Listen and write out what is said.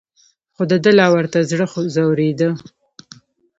خو دده لا ورته زړه ځورېده.